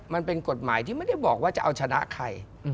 มันเป็นกฎหมายที่ไม่ได้บอกว่าจะเอาชนะใคร